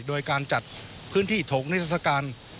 โดยการจัดพื้นที่ถกนิทรศการ